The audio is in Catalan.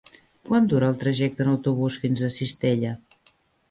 Quant dura el trajecte en autobús fins a Cistella?